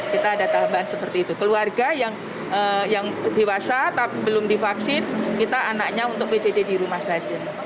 kita ada tambahan seperti itu keluarga yang dewasa belum divaksin kita anaknya untuk pjj di rumah saja